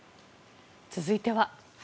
続いては。